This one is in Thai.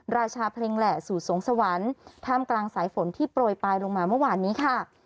ราชาเพลงแหล่สู่สวงสวรรค์ท่ามกลางสายฝนที่โปรยปลายลงมาเมื่อวานนี้ค่ะ